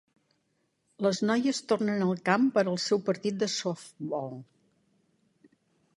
Les noies tornen al camp per al seu partit de softbol.